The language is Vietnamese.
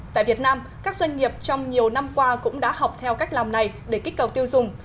tại việt nam các doanh nghiệp trong nhiều năm qua cũng đã học theo cách làm này để kích cầu tiêu dùng